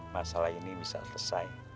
masalah ini bisa selesai